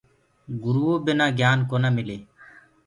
گُرو بنآ گيِان ڪونآ مِلي۔